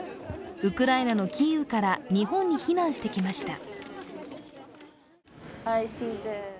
ウクライナのキーウから日本に避難してきました。